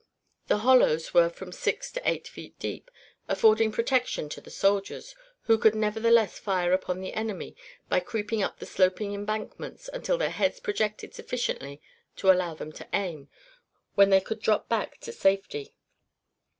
The hollows were from six to eight feet deep, affording protection to the soldiers, who could nevertheless fire upon the enemy by creeping up the sloping embankments until their heads projected sufficiently to allow them to aim, when they could drop back to safety.